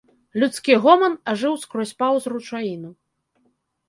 Людскі гоман ажыў скрозь паўз ручаіну.